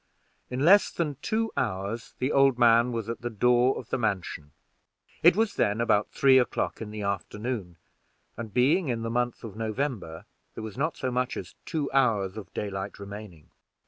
In less than two hours the old man was at the door of the mansion; it was then about three o'clock in the afternoon, and being in the month of November, there was not so much as two hours of daylight remaining.